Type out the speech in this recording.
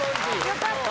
よかった！